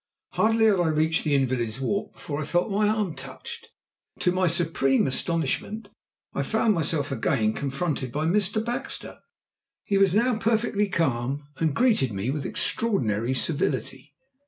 Hardly had I reached the Invalids' Walk before I felt my arm touched. To my supreme astonishment I found myself again confronted by Mr. Baxter. He was now perfectly calm and greeted me with extraordinary civility.